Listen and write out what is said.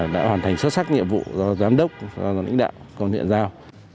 đã hoàn thành xuất sắc nhiệm vụ do giám đốc do lãnh đạo còn hiện giao